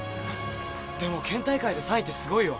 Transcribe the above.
でも県大会で３位ってすごいよ。